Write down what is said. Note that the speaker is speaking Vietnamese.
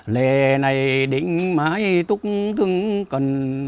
lệ này định mãi túc thương cần